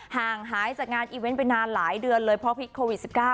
ห่างหายจากงานอีเวนต์ไปนานหลายเดือนเลยเพราะพิษโควิด๑๙